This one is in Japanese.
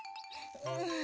うん。